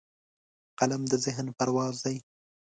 قلم د ذهن پرواز دی